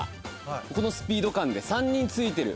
このスピード感で３人ついてる。